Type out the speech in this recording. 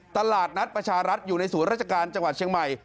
ตลาดนัดประชารัฐอยู่ในศูนย์ราชการจังหวัดเชียงใหม่